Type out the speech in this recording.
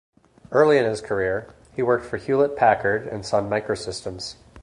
Early in his career, he worked for Hewlett-Packard and Sun Microsystems.